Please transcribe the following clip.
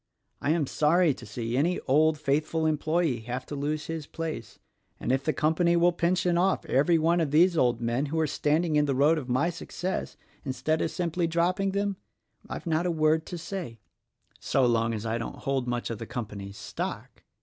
I am sorry to see any old, faith ful employee have to lose his place, and if the Company will pension off every one of these old men who are stand ing in the road of my success — instead of simply dropping them — why, I've not a word to say, — so long as I don't 26 THE RECORDING ANGEL hold much of the Company's stock.